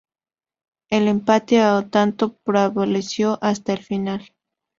El empate a un tanto prevaleció hasta el final.